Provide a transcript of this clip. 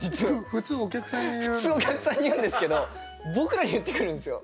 普通お客さんに言うんですけど僕らに言ってくるんですよ。